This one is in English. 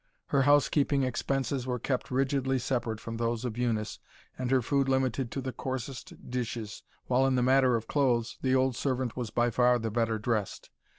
Her housekeeping expenses were kept rigidly separate from those of Eunice and her food limited to the coarsest dishes, while in the matter of clothes, the old servant was by far the better dressed.